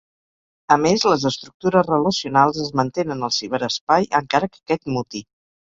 A més, les estructures relacionals es mantenen al ciberespai encara que aquest muti.